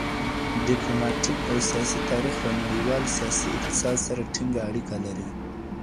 ډیپلوماټیک او سیاسي تاریخ له نړیوال سیاسي اقتصاد سره ټینګه اړیکه لري.